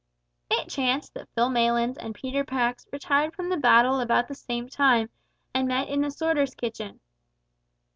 It chanced that Phil Maylands and Peter Pax retired from the battle about the same time; and met in the sorters' kitchen.